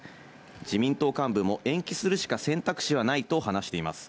自民党幹部も延期するしか選択肢はないと話しています。